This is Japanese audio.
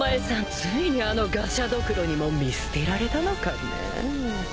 ついにあのガシャドクロにも見捨てられたのかねぇ。